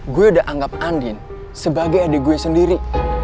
gue udah anggap andin sebagai adik gue sendiri